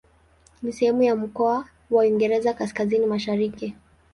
Ni sehemu ya mkoa wa Uingereza Kaskazini-Mashariki.